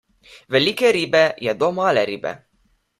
Velike ribe jedo malo ribe.